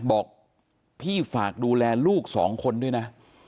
บอกพี่ฝากดูแลลูกสองคนด้วยนะ